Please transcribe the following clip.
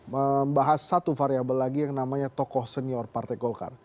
membahas satu variable lagi yang namanya tokoh senior partai golkar